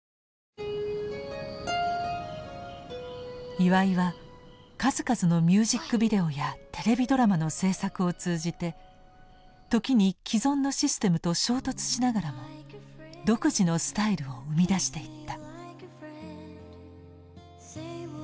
岩井は数々のミュージックビデオやテレビドラマの制作を通じて時に既存のシステムと衝突しながらも独自のスタイルを生み出していった。